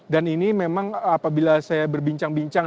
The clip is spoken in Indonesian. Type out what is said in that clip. dan ini memang apabila saya berbincang bincang